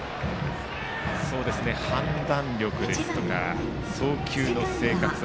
判断力ですとか、送球の正確さ。